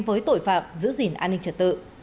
với tội phạm giữ gìn an ninh trật tự